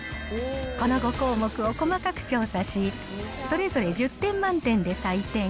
この５項目を細かく調査し、それぞれ１０点満点で採点。